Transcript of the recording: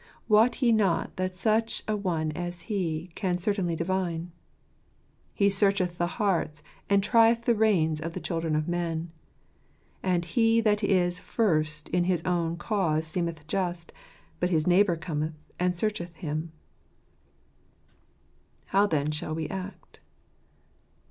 "Wot ye not that such an one as He can certainly divine?" "He searcheth the hearts and trieth the reins of the children of men." And " he that is first in his own cause seemeth just ; but his neighbour cometh and searcheth him," How then shall we act